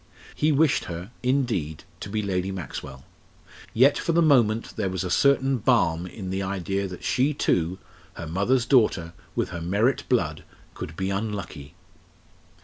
He wished her, indeed, to be Lady Maxwell. Yet for the moment there was a certain balm in the idea that she too her mother's daughter with her Merritt blood could be unlucky.